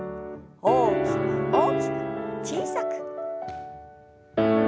大きく大きく小さく。